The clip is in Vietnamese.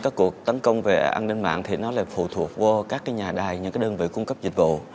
các cuộc tấn công về an ninh mạng thì nó là phụ thuộc qua các cái nhà đài những cái đơn vị cung cấp dịch vụ